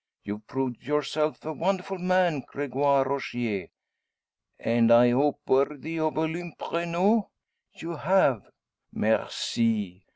You've proved yourself a wonderful man, Gregoire Rogier." "And I hope worthy of Olympe Renault?" "You have." "Merci!